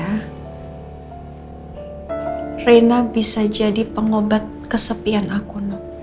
karena rena bisa jadi pengobat kesepian aku